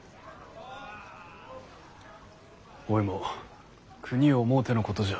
おいも国を思うてのことじゃ。